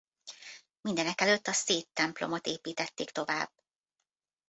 Mindenekelőtt a Széth-templomot építették tovább.